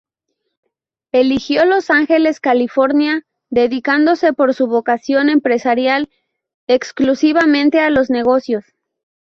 Eligió Los Ángeles, California, dedicándose por su vocación empresarial exclusivamente a los negocios.